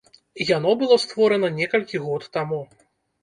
Яно было створана некалькі год таму.